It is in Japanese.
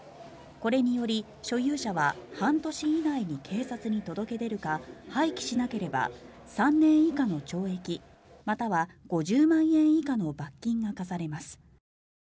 これにより所有者は半年以内に警察に届け出るか廃棄しなければ３年以下の懲役または５０万円以下の罰金が科されます。